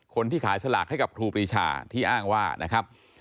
คนที่ขายสลากให้กับครูปรีชาที่อ้างว่านะครับ